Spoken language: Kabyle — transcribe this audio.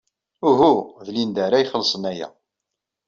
Uhu, d Linda ara ixellṣen aya.